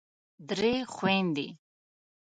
درې خوندې